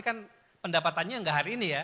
kan pendapatannya nggak hari ini ya